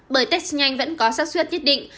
bởi test nhanh vẫn có sắc xuất nhất định